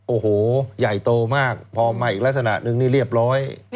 โอ้โหใหญ่โตมากพอมาอีกลักษณะนึงนี่เรียบร้อย